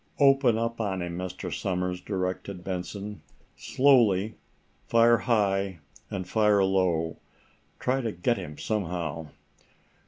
"Open up on him, Mr. Somers," directed Benson. "Slowly. Fire high, and fire low. Try to get him somehow."